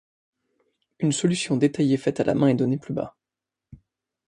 Une solution détaillée faite à la main est donnée plus bas.